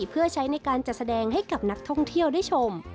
เพื่อใช้ในการจัดแสดงให้กับนักท่องเที่ยวได้ชม